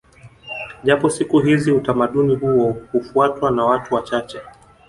Japo siku hizi utamaduni huo hufuatwa na watu wachache